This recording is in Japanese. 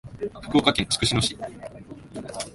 福岡県筑紫野市